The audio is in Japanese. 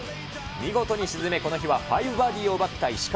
見事に沈め、この日はファイブバーディーを奪った石川。